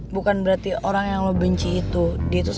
bukan berarti orang yang lo benci itu dia itu salah